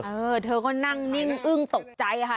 เออเธอก็นั่งนิ่งอึ้งตกใจค่ะ